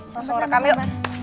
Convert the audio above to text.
langsung rekam yuk